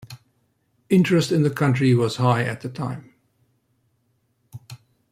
Interest in the country was high at the time.